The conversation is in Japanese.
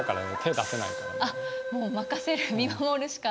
もう任せる見守るしか。